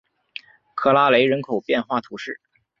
克拉雷人口变化图示